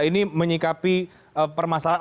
ini menyikapi permasalahan